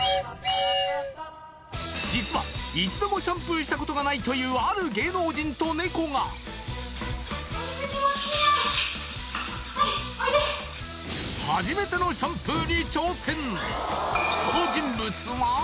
実は一度もシャンプーしたことがないというある芸能人とネコが初めてのシャンプーに挑戦